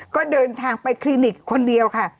ก็เดินทางไปคลินิกคนเดียวค่ะ